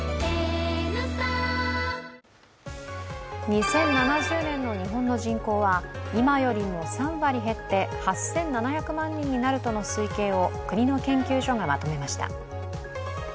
２０７０年の日本の人口は今よりも３割減って８７００万人になるとの推計を国の研究所がまとめました。